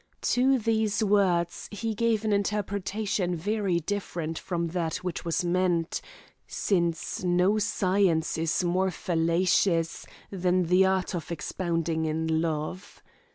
To these words he gave an interpretation very different from that which was meant, since no science is more fallacious than the art of expounding in love.